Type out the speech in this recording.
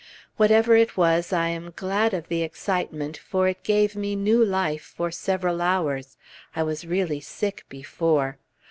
Whatever it was, I am glad of the excitement, for it gave me new life for several hours; I was really sick before.